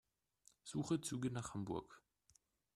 Suche Züge nach Hamburg.